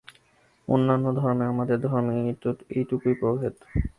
অন্যান্য ধর্মে এবং আমাদের ধর্মে এইটুকুই প্রভেদ।